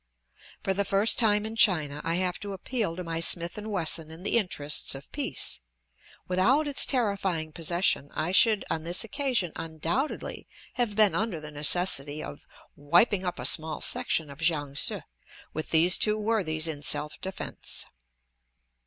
For the first time in China I have to appeal to my Smith & Wesson in the interests of peace; without its terrifying possession I should on this occasion undoubtedly have been under the necessity of "wiping up a small section of Kiang se" with these two worthies in self defence.